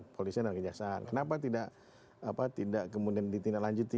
polisi dan kejaksaan kenapa tidak kemudian di tindak lanjuti